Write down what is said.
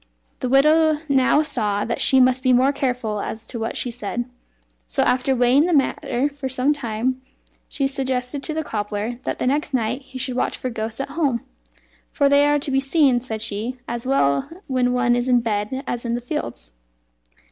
The widow now saw that she must be more careful as to what she said; so, after weighing the matter for some time, she suggested to the cobbler that the next night he should watch for ghosts at home; "for they are to be seen," said she, "as well when one is in bed as in the fields."